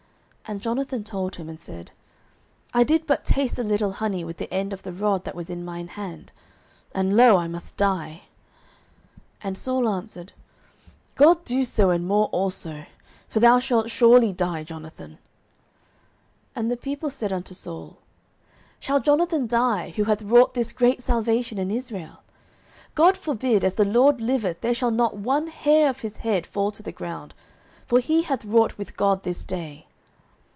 And Jonathan told him, and said, I did but taste a little honey with the end of the rod that was in mine hand, and, lo, I must die. 09:014:044 And Saul answered, God do so and more also: for thou shalt surely die, Jonathan. 09:014:045 And the people said unto Saul, Shall Jonathan die, who hath wrought this great salvation in Israel? God forbid: as the LORD liveth, there shall not one hair of his head fall to the ground; for he hath wrought with God this day.